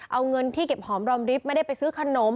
เอาเงินที่เก็บหอมรอมริบไม่ได้ไปซื้อขนม